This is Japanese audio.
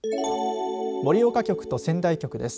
盛岡局と仙台局です。